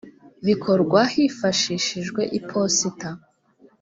bikorwa hifashishijwe iposita